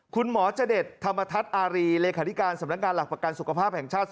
จดธรรมทัศน์อารีเลขาธิการสำนักงานหลักประกันสุขภาพแห่งชาติ